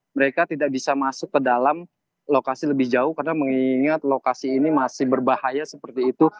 mereka tidak bisa masuk ke dalam lokasi lebih jauh karena mengingat lokasi ini masih berbahaya seperti itu